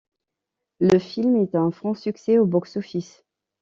Le film est un franc succès au box office.